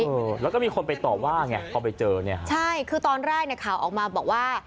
เออแล้วก็มีคนไปตอบว่าไงผ่าไปเจอนะคะใช่คือตอนแรกข่าวออกมาบอกว่า